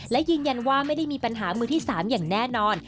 และยืนยันว่าไม่ได้มีปัญหามือที่๓อย่างแน่นอน